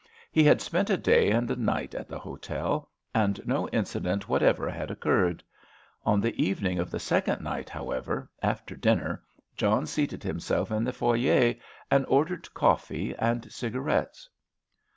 He had spent a day and a night at the hotel, and no incident whatever had occurred. On the evening of the second night, however, after dinner, John seated himself in the foyer and ordered coffee and cigarettes.